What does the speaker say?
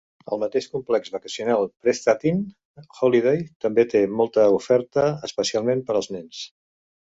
El mateix complex vacacional Prestatyn Holiday també té molta oferta, especialment per als nens.